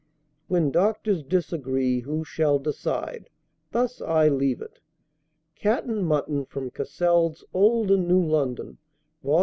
When doctors disagree, who shall decide? Thus I leave it. Cat and Mutton, from Cassell's "Old and New London," vol.